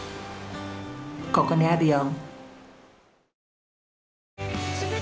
ここにあるよ。